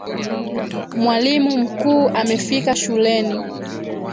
Mwalimu mkuu amefika shuleni.